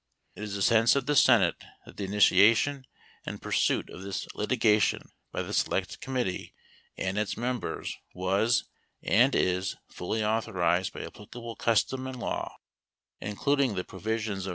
It is the sense of the Senate that the initiation and pur 15 suit of this litigation by the select committee and its members 16 was and is fully authorized by applicable custom and law, 17 including the provisions of S.